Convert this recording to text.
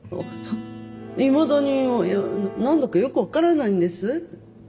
いまだに何だかよく分からないんです。